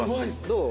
どう？